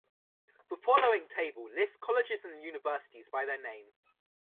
The following table lists colleges and universities by their name.